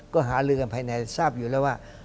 ก็หาลือกันภายในทราบอยู่แล้วว่า